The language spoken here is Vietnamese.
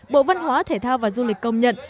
bộ văn hóa thể thao và du lịch công nhận